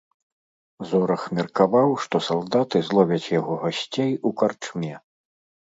Зорах меркаваў, што салдаты зловяць яго гасцей у карчме.